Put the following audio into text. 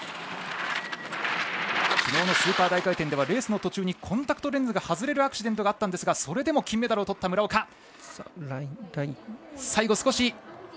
きのうのスーパー大回転ではレースの途中にコンタクトレンズが外れるアクシデントがあったんですがそれでも金メダルをとった村岡。